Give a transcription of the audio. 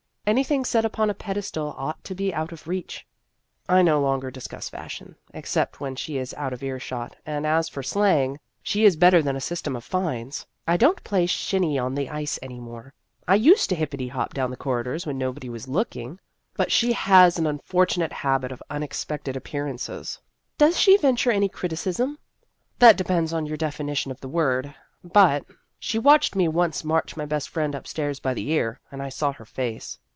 " Anything set upon a pedestal ought to be out of reach." " I no longer discuss fashion except when she is out of ear shot ; and as for slang, she is better than a system of fines. I don't play shinney on the ice any more. I used to hippity hop down the corridors when nobody was looking, but she has 90 Vassar Studies an unfortunate habit of unexpected appearances." " Does she venture any criticism ?"" That depends on your definition of the word. But she watched me once march my best friend up stairs by the ear. And I saw her face."